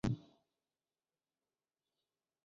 তিন বছর বয়সে তার বাবা-মা আলাদা হয়ে গিয়েছিলেন।